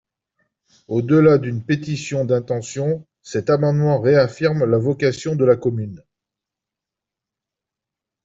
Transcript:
Au-delà d’une pétition d’intentions, cet amendement réaffirme la vocation de la commune.